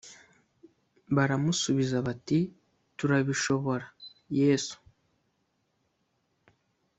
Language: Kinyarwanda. baramusubiza bati “turabishobora yesu”